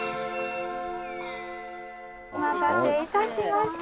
お待たせいたしました。